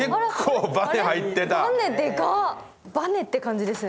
バネって感じですね